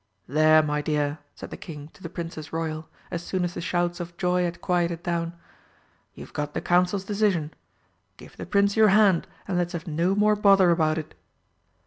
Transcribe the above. "There, my dear," said the King to the Princess Royal, as soon as the shouts of joy had quieted down, "you've got the Council's decision. Give the Prince your hand, and let's have no more bother about it."